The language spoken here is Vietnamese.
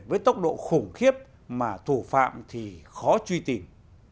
với tốc độ khủng khiếp mà thủ phạm thì khó truy tìm